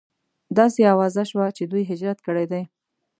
داسې اوازه شوه چې دوی هجرت کړی دی.